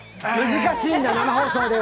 難しいんだ、生放送では。